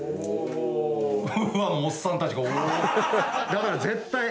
だから絶対。